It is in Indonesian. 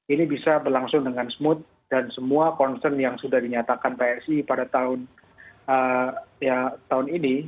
ini bisa berlangsung dengan smooth dan semua concern yang sudah dinyatakan psi pada tahun ini